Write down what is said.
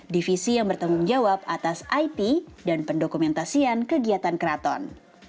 divisi yang bertanggung jawab atas it dan pendokumentasian kegiatan keraton